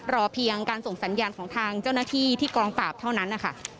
รอเพียงการส่งสัญญาณของทางเจ้าหน้าที่ที่กองปราบเท่านั้นนะคะ